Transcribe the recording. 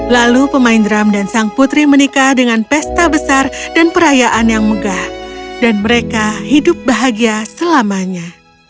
lalu pemain drum dan sang putri menikah dengan pesta besar dan perayaan yang megah dan mereka hidup bahagia selamanya